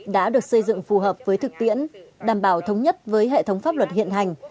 đã được xây dựng phù hợp với thực tiễn đảm bảo thống nhất với hệ thống pháp luật hiện hành